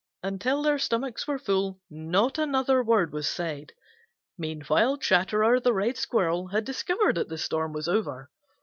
Until their stomachs were full, not another word was said. Meanwhile Chatterer the Red Squirrel had discovered that the storm was over.